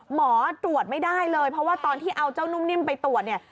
หมอตรวจไม่ได้เลยเพราะว่าตอนที่เอาเจ้านุ่มนิ่มไปตรวจเนี่ย